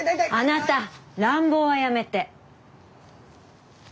あなた乱暴はやめて。